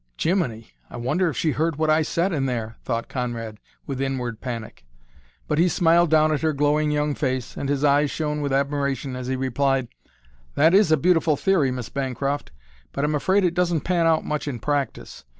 "Jiminy! I wonder if she heard what I said in there!" thought Conrad with inward panic. But he smiled down at her glowing young face and his eyes shone with admiration as he replied: "That is a beautiful theory, Miss Bancroft, but I'm afraid it doesn't pan out much in practice.